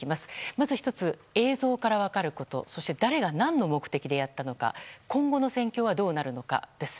まず１つ映像から分かることそして誰が何の目的でやったのか今後の戦況はどうなるのかです。